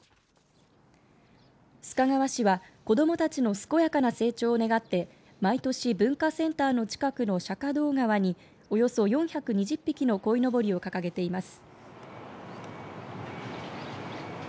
須賀川市は子どもたちの健やかな成長を願って毎年、文化センターの近くの釈迦堂川におよそ４２０匹のこいのぼりを掲げています。